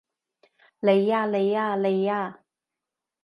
嚟吖嚟吖嚟吖